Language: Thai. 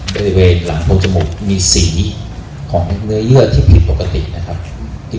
บริเวณหลังโพกจมูกมีสีของเนื้อเลือดที่ผิดปกติ